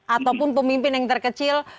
ataupun pemimpin yang terkecil